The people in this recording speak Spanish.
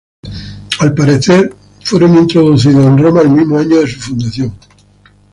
Al parecer fueron introducidos en Roma el mismo año de su fundación.